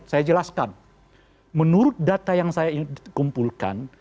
saya jelaskan menurut data yang saya kumpulkan